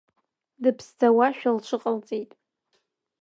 Дыԥсӡауашәа лҽыҟалҵеит.